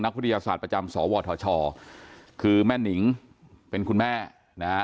วิทยาศาสตร์ประจำสวทชคือแม่นิงเป็นคุณแม่นะฮะ